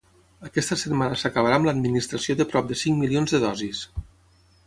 Aquesta setmana s’acabarà amb l’administració de prop de cinc milions de dosis.